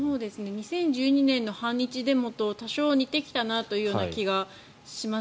２０１２年の反日デモと多少似てきたなというような気がします。